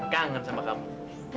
kangen sama kamu